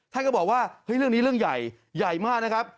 ท่านก็บอกว่าเฮ้ยเรื่องนี้เรื่องใหญ่ใหญ่มากนะครับ